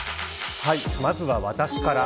まずは私から。